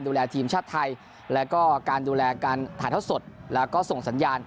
ดูแลทีมชาติไทยแล้วก็การดูแลการถ่ายเท่าสดแล้วก็ส่งสัญญาณ